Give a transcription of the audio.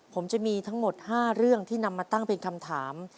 ผมจะมีทั้งหมด๕เรื่องที่นำมาตั้งเป็นคำถาม